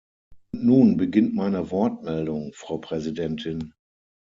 Und nun beginnt meine Wortmeldung, Frau Präsidentin.